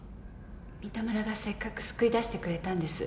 三田村がせっかく救い出してくれたんです。